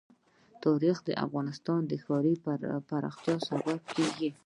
تاریخ د افغانستان د ښاري پراختیا سبب کېږي.